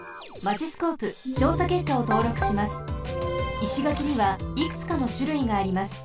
石垣にはいくつかのしゅるいがあります。